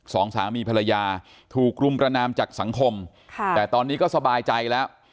สองสามีภรรยาถูกรุมประนามจากสังคมค่ะแต่ตอนนี้ก็สบายใจแล้ว